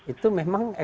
itu memang eksekutif